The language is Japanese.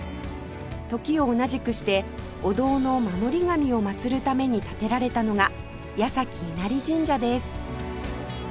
時を同じくしてお堂の守り神を祭るために建てられたのが矢先稲荷神社です